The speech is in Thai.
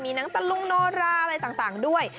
มีหนังตะลุงโนราอะไรต่างด้วย